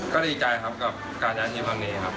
ก็ดีใจครับกับการย้ายทีมครั้งนี้ครับ